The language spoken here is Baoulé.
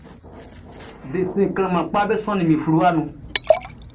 Desɛn klanhan kpaʼm be sɔnnin min fluwaʼn nun.